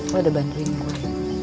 gua udah bantuin gua